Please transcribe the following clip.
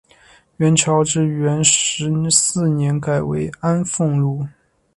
元朝至元十四年改为安丰路。